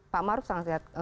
pak ma'ruf sangat siap